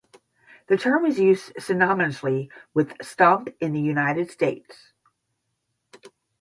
The term is used synonymously with stump in the United States.